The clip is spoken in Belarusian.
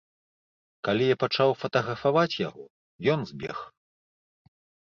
Калі я пачаў фатаграфаваць яго, ён збег.